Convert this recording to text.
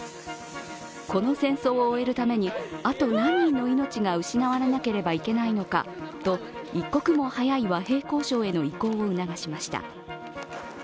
この戦争を終えるためにあと何人の命が失われなければいけないのかと一刻も早い和平交渉への移行を促しました。